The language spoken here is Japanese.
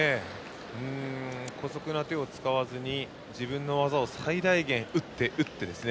こそくな手を使わずに自分の技を最大限に打って、打ってね。